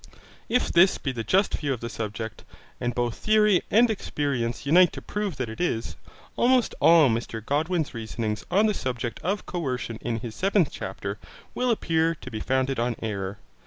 If this be the just view of the subject, and both theory and experience unite to prove that it is, almost all Mr Godwin's reasonings on the subject of coercion in his seventh chapter, will appear to be founded on error.